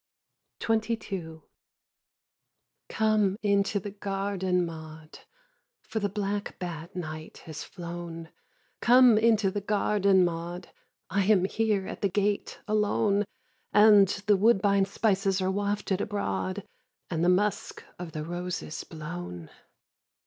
XXII. 1. Come into the garden, Maud, For the black bat, night, has flown, Come into the garden, Maud, I am here at the gate alone; And the woodbine spices are wafted abroad, And the musk of the roses blown.